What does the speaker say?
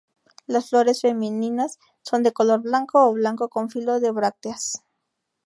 Las flores femeninas son de color blanco o blanco con filo de brácteas.